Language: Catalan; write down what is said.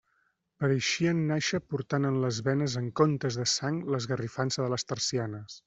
Pareixien nàixer portant en les venes en comptes de sang l'esgarrifança de les tercianes.